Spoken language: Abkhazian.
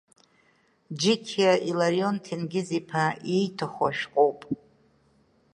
Џьиқьиа Иларион Ҭенгиз-иԥа ииҭаху ашәҟәоуп.